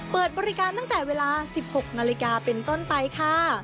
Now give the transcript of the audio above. เปิดบริการตั้งแต่เวลา๑๖นาฬิกาเป็นต้นไปค่ะ